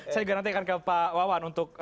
saya juga nanti akan ke pak wawan untuk